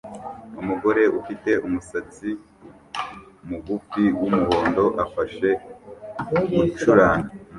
Umugore ufite umusatsi mugufi wumuhondo afashe gucuranga